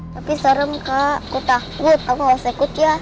tapi serem kak aku takut kamu nggak usah ikut ya